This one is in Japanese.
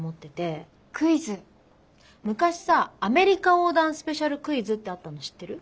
昔さアメリカ横断スペシャルクイズってあったの知ってる？